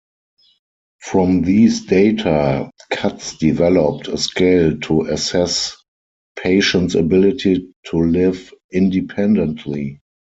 From these data, Katz developed a scale to assess patients' ability to live independently.